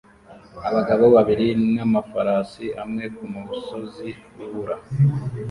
Abagabo babiri n'amafarasi amwe kumusozi wubura